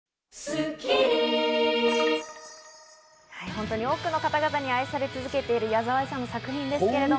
本当に多くの方々に愛され続けている矢沢あいさんの作品ですけれど。